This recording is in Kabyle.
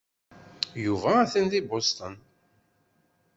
Yuba atan deg Boston.